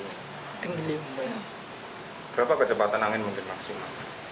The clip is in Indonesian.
berapa kecepatan angin mungkin maksimal